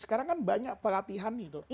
sekarang kan banyak pelatihan